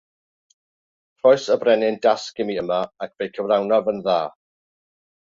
Rhoes y brenin dasg i mi yma ac fe'i cyflawnaf yn dda.